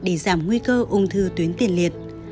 để giảm nguy cơ ung thư tuyến tiền liệt